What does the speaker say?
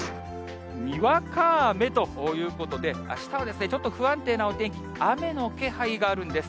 にわか雨ということで、あしたはちょっと不安定なお天気、雨の気配があるんです。